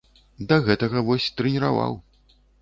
Да гэтага вось, трэніраваў.